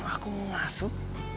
aku mau masuk